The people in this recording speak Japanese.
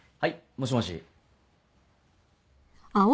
もしもし？